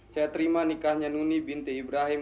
saya terima nikahnya nuni binti ibrahim